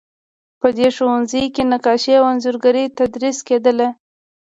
په دې ښوونځي کې نقاشي او انځورګري تدریس کیدله.